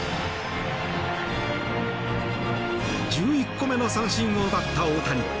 １１個目の三振を奪った大谷。